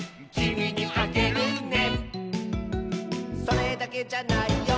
「それだけじゃないよ」